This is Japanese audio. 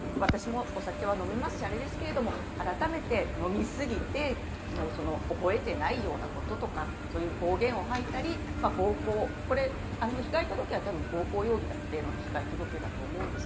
私もお酒は飲みますし、あれですが、改めて飲み過ぎて覚えていないようなこととか、暴言を吐いたり、暴行、被害届は多分、暴行容疑での被害届だと思うんですが。